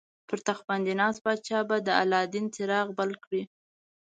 پر تخت باندې ناست پاچا به د الله دین څراغ بل کړي.